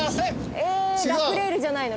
ラックレールじゃないの？